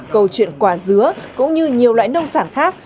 câu chuyện quả dứa cũng như nhiều loại nông sản khác